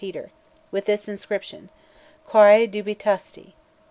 Peter, with this inscription 'Quare dubitasti?'